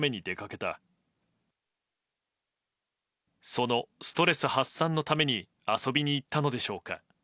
そのストレス発散のために遊びに行ったのでしょうか。